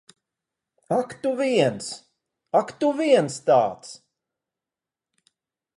Ak tu viens. Ak, tu viens tāds!